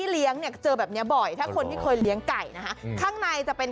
เรียกได้ว่าไข่ซ้อน